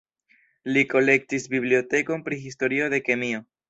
Li kolektis bibliotekon pri historio de kemio.